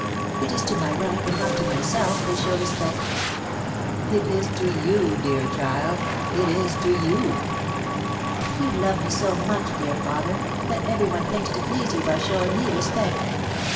It is to my rank and not to myself they show respect." "It is to you, dear child, it is to you!" "You love me so much, dear father, that every one thinks to please you by showing me respect."